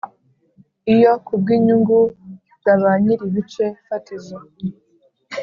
Iyo ku bw inyungu za ba nyir ibice fatizo